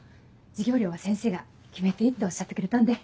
授業料は先生が決めていいっておっしゃってくれたんで。